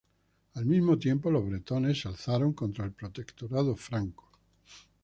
Al mismo tiempo, los bretones se alzaron contra el protectorado franco.